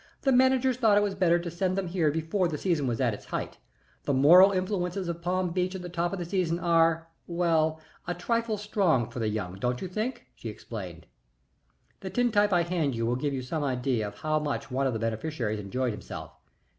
"The managers thought it was better to send them here before the season was at its height. The moral influences of Palm Beach at the top of the season are well a trifle strong for the young don't you think?" she explained. The tin type I hand you will give you some idea of how much one of the beneficiaries enjoyed himself.